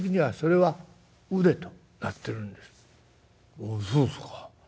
「おおそうですか」。